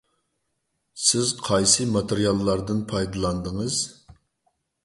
سىز قايسى ماتېرىياللاردىن پايدىلاندىڭىز؟